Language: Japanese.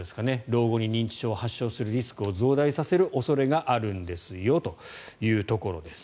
老後に認知症を発症するリスクを増大させる恐れがあるんですよというところです。